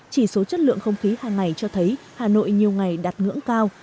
chỉ số chất lượng không khí hàng ngày cho thấy hà nội nhiều ngày đạt ngưỡng cao